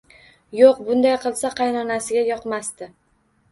Yoʻq, bunday qilsa, qaynonasiga yoqmasdi